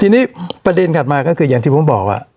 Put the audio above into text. ทีนี้ประเด็นถัดมาก็คืออย่างที่ผมบอกว่า